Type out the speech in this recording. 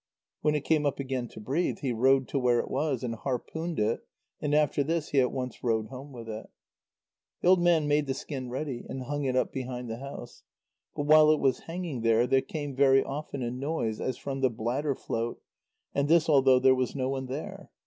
When it came up again to breathe, he rowed to where it was, and harpooned it, and after this, he at once rowed home with it. The old man made the skin ready, and hung it up behind the house. But while it was hanging there, there came very often a noise as from the bladder float, and this although there was no one there.